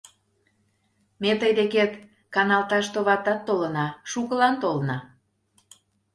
Ме тый декет каналташ товатат толына, шукылан толына.